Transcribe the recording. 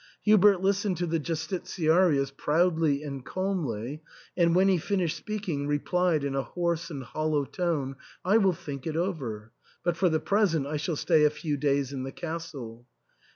Hubert listened to the Justitiarius proudly and calmly, and when he finished speaking replied in a hoarse and hollow tone, " I will think it over ; but for the present I shall stay a few days in the castle."